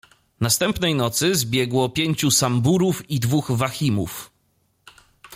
Następnej nocy zbiegło pięciu Samburów i dwóch Wahimów.